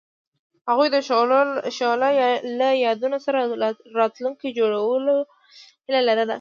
هغوی د شعله له یادونو سره راتلونکی جوړولو هیله لرله.